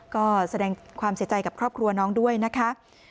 ก็แสดงความเสียใจกับครอบครัวน้องด้วยนะคะ